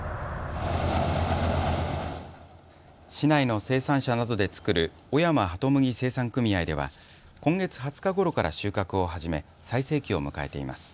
市内の生産者などで作る小山はとむぎ生産組合では今月２０日ごろから収穫を始め最盛期を迎えています。